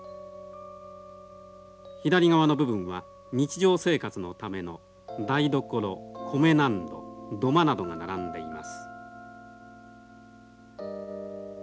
左側の部分は日常生活のための台所米納戸土間などが並んでいます。